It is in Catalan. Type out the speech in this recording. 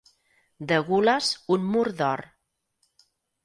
De gules, un mur d'or.